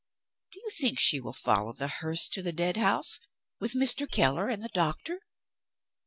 Do you think she will follow the hearse to the Deadhouse, with Mr. Keller and the doctor?"